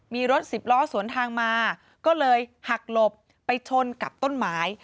มีรถสิบล้อสวนทางมาก็เลยหักหลบไปชนกับต้นไม้